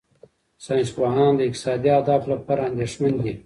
ساینسپوهان د اقتصادي اهدافو لپاره اندېښمن دي.